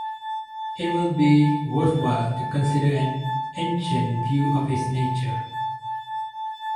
It will be worthwhile to consider an ancient view of his nature.